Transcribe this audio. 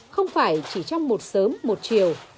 không phải chỉ trong một sớm một chiều